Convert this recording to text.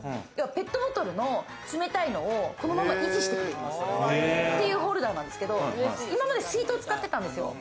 ペットボトルの冷たいのを、このまま維持してくれる。っていうホルダーなんですけれど、今まで水筒を使ってたんですよ。